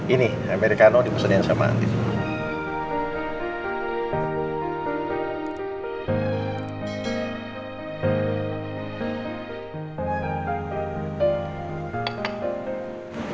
ini americano dimusuhin sama anting